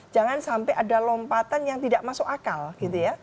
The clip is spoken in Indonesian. jangan sampai ada lompatan yang tidak masuk akal gitu ya